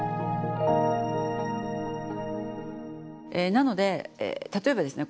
なので例えばですね